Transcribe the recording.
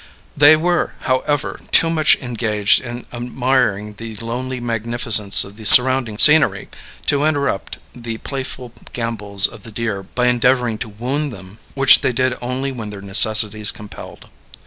They were, however, too much engaged in admiring the lonely magnificence of the surrounding scenery to interrupt the playful gambols of the deer by endeavoring to wound them, which they did only when their necessities compelled.